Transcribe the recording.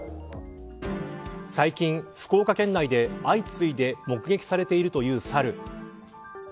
最近、福岡県内で相次いで目撃されているというサル。